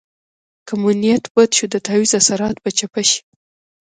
که مو نیت بد شو د تعویض اثرات به چپه شي.